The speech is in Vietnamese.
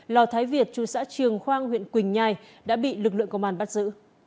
lò thái việt chú xã trường khoang huyện quỳnh nhai đã bị lực lượng công an bắt giữ